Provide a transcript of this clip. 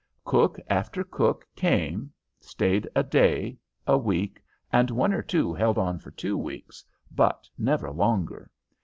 Cook after cook came, stayed a day, a week, and one or two held on for two weeks, but never longer.